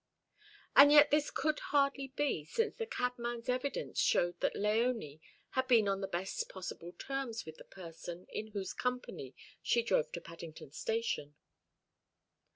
And yet this could hardly be, since the cabman's evidence showed that Léonie had been on the best possible terms with the person in whose company she drove to Paddington Station.